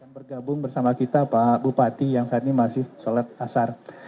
bergabung bersama kita pak bupati yang saat ini masih sholat asar